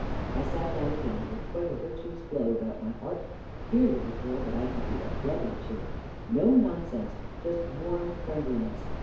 I sat down again with quite a virtuous glow about my heart. Here was a girl that I could be a brother 68 A KING IN BABYLON to I No nonsense — just warm friendliness